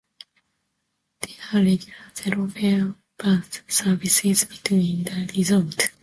There are regular zero-fare bus services between the resorts.